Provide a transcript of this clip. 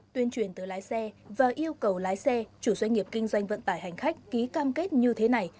tuyên truyền từ lái xe và yêu cầu lái xe chủ doanh nghiệp kinh doanh vận tải hành khách ký cam kết như thế này